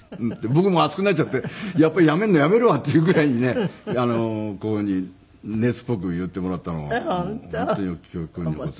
僕も熱くなっちゃってやっぱりやめるのやめるわっていうぐらいにねこういう風に熱っぽく言ってもらったのを本当によく記憶に残ってます。